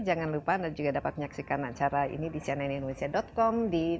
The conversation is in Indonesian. jangan lupa anda juga dapat menyaksikan acara ini di cnnindonesia com